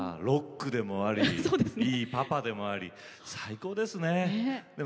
ロックでもありいいパパでもあり、最高ですね。